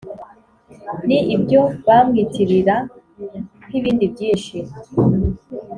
ni ibyo bamwitirira nk'ibindi byinshi